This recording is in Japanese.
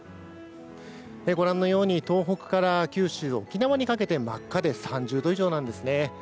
ご覧のように東北から九州沖縄にかけて真っ赤で３０度以上なんですね。